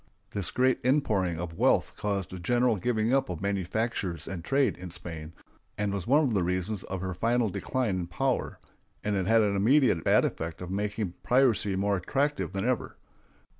This great inpouring of wealth caused a general giving up of manufactures and trade in Spain, and was one of the reasons of her final decline in power, and it had the immediate bad effect of making piracy more attractive than ever.